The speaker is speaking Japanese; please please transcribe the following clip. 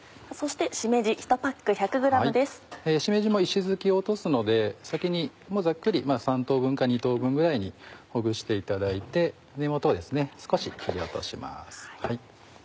しめじも石づきを落とすので先にざっくり３等分か２等分ぐらいにほぐしていただいて根元を少し切り落とします。